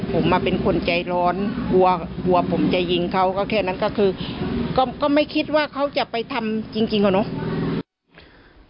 ผมเป็นคนใจร้อนกลัวผมจะยิงเขาก็แค่นั้นก็คือก็ไม่คิดว่าเขาจะไปทำจริงอะเนาะ